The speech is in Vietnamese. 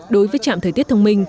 đối với trạm thời tiết thông minh